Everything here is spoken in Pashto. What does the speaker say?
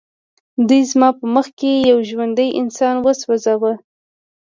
دوی زما په مخ کې یو ژوندی انسان وسوځاوه